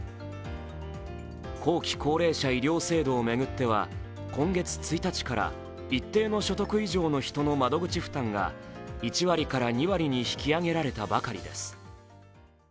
後期高齢者医療制度を巡っては今月１日から一定の所得以上の人の窓口負担が１割から２割に引き上げられたばかりです。